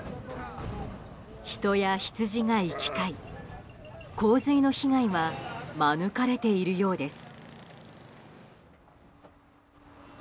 人やヒツジが行き交い洪水の被害は免れているようです。